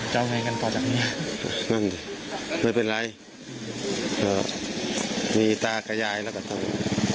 จะเอาไงกันก่อนจากนี้นั่นไม่เป็นไรมีตากับยายก็ต้อง